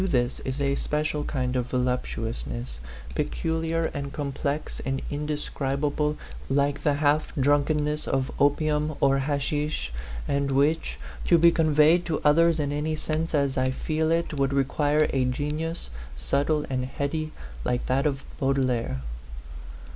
this is a special kind of voluptuousness, pe culiar and complex and indescribable, like the half drunkenness of opium or hashish, and which, to be conveyed to others in any sense as I feel it, would require a genius, subtle and heady, like that of Baudelaire.